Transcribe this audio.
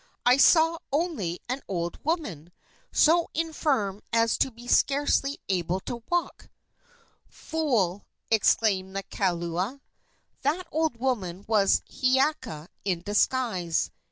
"I saw only an old woman, so infirm as to be scarcely able to walk." "Fool!" exclaimed the kaula. "That old woman was Hiiaka in disguise.